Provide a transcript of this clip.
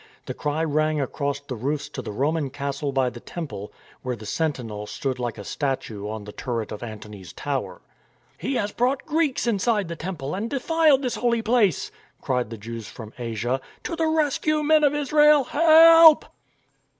The cry rang across the roofs to the Roman Castle by the Temple, where the sentinel stood like a statue on the turret of Antony's tower. " He has brought Greeks inside the temple and de 292 STORM AND STRESS filed this holy Place," cried the Jews from Asia. " To the rescue, Men of Israel. Help